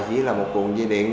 chỉ là một cuộn dây điện